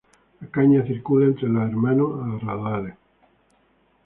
La caña circula entre los hermanos a raudales.